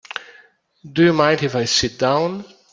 Do you mind if I sit down?